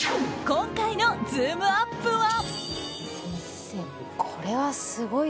今回のズームＵＰ！は。